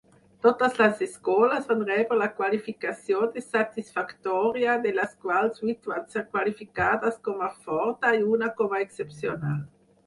Totes les escoles van rebre la qualificació de "satisfactòria", de les quals vuit van ser qualificades com a "forta" i una com a "excepcional".